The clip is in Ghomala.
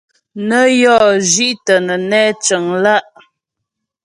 Nə́ yɔ́ zhi'tə nə́ nɛ́ cəŋ lá'.